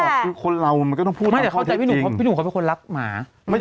ไม่หรอกคือคนเรามันก็ต้องพูดตามข้อเทคจริงไม่แต่เข้าใจพี่หนุ่มเพราะพี่หนุ่มเขาเป็นคนรักหมา